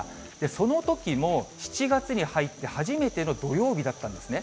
そのときも７月に入って初めての土曜日だったんですね。